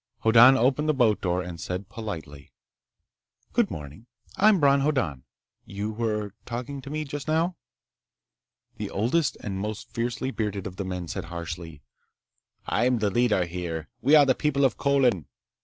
Hoddan opened the boat door and said politely: "Good morning. I'm Bron Hoddan. You were talking to me just now." The oldest and most fiercely bearded of the men said harshly: "I am the leader here. We are the people of Colin."